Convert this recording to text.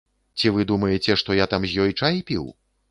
Ці вы думаеце, што я там з ёй чай піў?